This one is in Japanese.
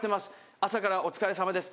朝からお疲れ様です。